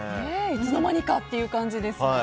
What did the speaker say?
いつの間にかという感じですが。